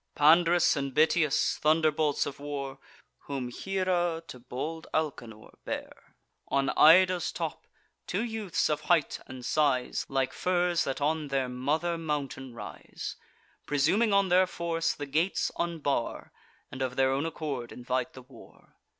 Pand'rus and Bitias, thunderbolts of war, Whom Hiera to bold Alcanor bare On Ida's top, two youths of height and size Like firs that on their mother mountain rise, Presuming on their force, the gates unbar, And of their own accord invite the war.